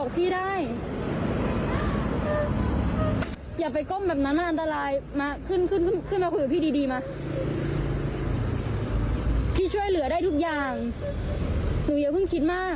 พี่ช่วยเหลือได้ทุกอย่างหนูเยอะขึ้นคิดมาก